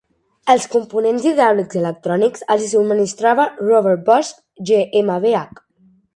Els components hidràulics i electrònics els hi subministrava Robert Bosch GmbH.